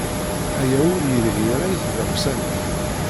Aya ur yelhi ara i tdawsa-nnek.